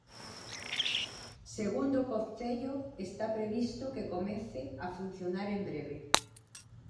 Segundo o Concello, está previsto que comece a funcionar en breve.